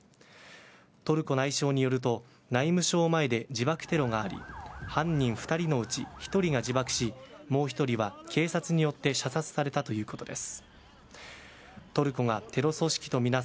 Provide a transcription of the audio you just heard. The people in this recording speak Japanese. トルコ内相によると内務省前で自爆テロがあり犯人２人のうち１人が自爆しもう１人は警察によって射殺されたということです。